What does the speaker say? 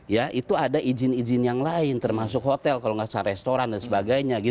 ya itu ada izin izin yang lain termasuk hotel kalau nggak salah restoran dan sebagainya